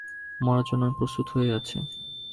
মরার জন্য আমি প্রস্তুত হয়েই আছি।